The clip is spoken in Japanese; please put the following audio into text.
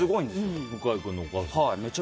向井君のお母さん。